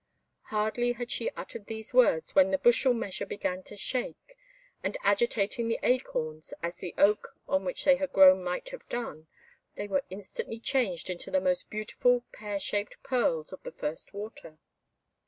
Hardly had she uttered these words, when the bushel measure began to shake, and agitating the acorns, as the oak on which they had grown might have done, they were instantly changed into the most beautiful pear shaped pearls of the first water.